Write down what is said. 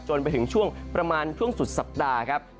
ไปถึงช่วงประมาณช่วงสุดสัปดาห์ครับ